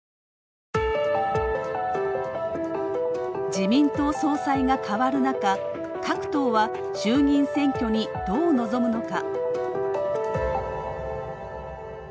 自民党総裁が替わる中、各党は衆議院選挙にどう臨むのか。